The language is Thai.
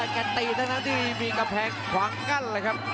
แกตีเท่านั้นที่มีกำแพงขวางกั้นเลยครับ